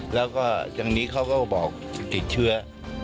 แล้วก็อย่างนี้เขาก็บอกติดเชื้อ